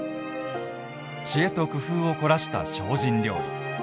知恵と工夫を凝らした精進料理。